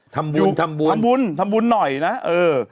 ทำบุญทำบุญทำบุญหน่อยนะเออ